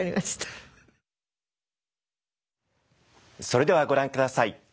それではご覧ください。